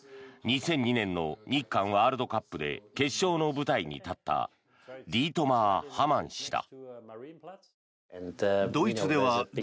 ２００２年の日韓ワールドカップで決勝の舞台に立ったディートマー・ハマン氏だ。